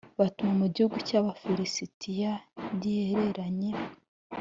batuma mu gihugu cy abafilisitiya gihereranye